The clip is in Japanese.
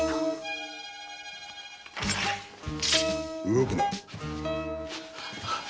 動くな。